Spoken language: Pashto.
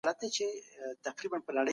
اسلام د انسان فطري غوښتنو ته ځواب وايي.